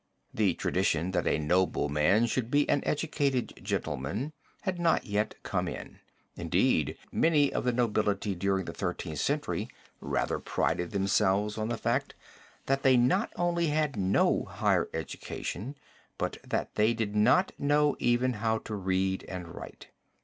The tradition that a nobleman should be an educated gentleman had not yet come in. Indeed many of the nobility during the Thirteenth Century rather prided themselves on the fact that they not only had no higher education, but that they did not know even how to read and write.